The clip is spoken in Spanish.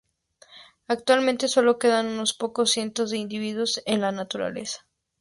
Actualmente solo quedan unos pocos cientos de individuos en la naturaleza.